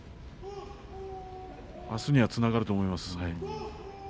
あすにはつながると思います。